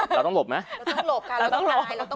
เราต้องหลบไหม